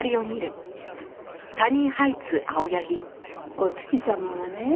お月様はね